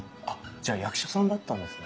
じゃあ役者さんだったんですね？